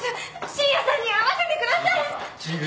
信也さんに会わせてください！